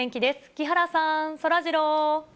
木原さん、そらジロー。